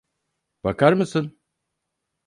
Bakar mısın?